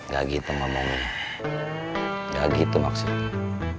gak gitu mam mie gak gitu maksudnya